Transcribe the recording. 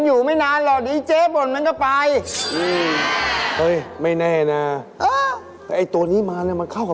อย่างนี้หนึ่งเดียวนั้นมันมาอยู่กันยาวนะ